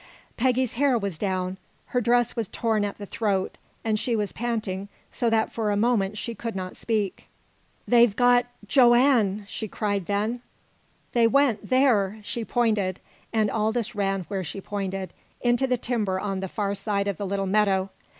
Peggy's hair was down, her dress was torn at the throat, and she was panting so that for a moment she could not speak. "They've got Joanne!" she cried then. "They went there!" She pointed, and Aldous ran where she pointed into the timber on the far side of the little meadow.